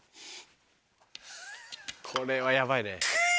これはヤバいね。